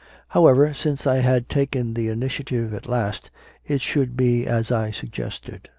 However, since I had taken the initiative at last, it should be as I suggested.